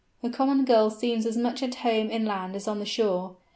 The Common Gull seems as much at home inland as on the shore.